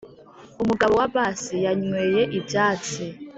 umugabo wa bass yanyweye ibyatsi